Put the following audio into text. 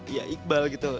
ya iqbal gitu